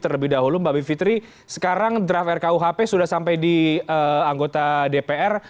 terlebih dahulu mbak bivitri sekarang draft rkuhp sudah sampai di anggota dpr